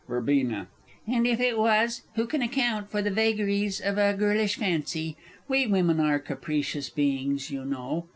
Verb. And if it was, who can account for the vagaries of a girlish fancy! We women are capricious beings, you know.